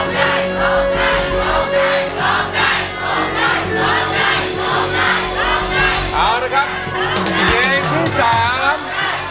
เวลาที่สาม